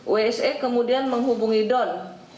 wse kemudian menghubungi don